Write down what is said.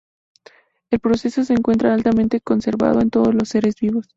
El proceso se encuentra altamente conservado en todos los seres vivos.